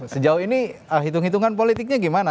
sejauh ini hitung hitungan politiknya gimana